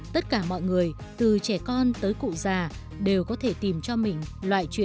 tất cả mọi người từ trẻ con tới cụ già đều có thể tìm cho mình loại chuyện